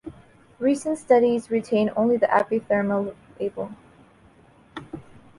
Recent studies retain only the "epithermal" label.